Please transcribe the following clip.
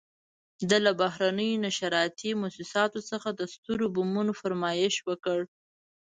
ده له بهرنیو نشراتي موسساتو څخه د سترو بمونو فرمایش وکړ.